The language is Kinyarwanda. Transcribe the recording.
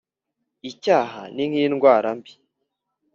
Icyaha ni nk indwara mbi